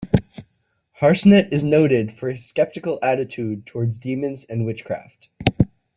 Harsnett is noted for his sceptical attitude towards demons and witchcraft.